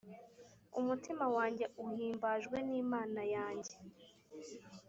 umutima wanjye uhimbajwe n’imana yanjye,